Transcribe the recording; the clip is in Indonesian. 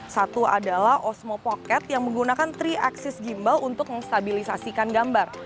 satu adalah osmo pocket yang menggunakan tiga xis gimbal untuk menstabilisasikan gambar